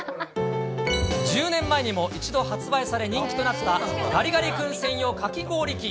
１０年前にも一度発売され、人気となったガリガリ君専用かき氷機。